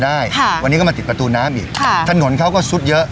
ได้ค่ะวันนี้ก็มาติดประตูน้ำอีกค่ะถนนเขาก็ซุดเยอะ